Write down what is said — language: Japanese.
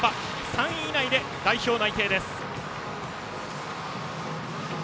３位以内で代表内定です。